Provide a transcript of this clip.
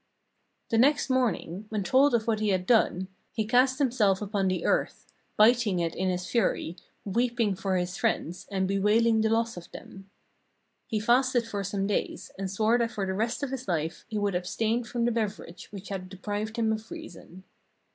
"The next morning, when told of what he had done, he cast himself upon the earth, biting it in his fury, weep ing for his friends, and bewailing the loss of them. He fasted for some days, and swore that for the rest of his life he would abstain from the beverage which had de prived him of reason.